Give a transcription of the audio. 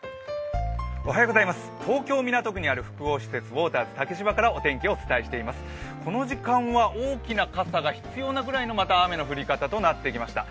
ウォーターズ竹芝からお天気をお伝えしています、この時間は大きな傘が必要なぐらいの雨の降り方となってきました。